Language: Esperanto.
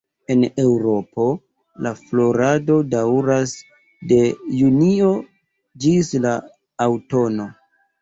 En Eŭropo la florado daŭras de junio ĝis la aŭtuno.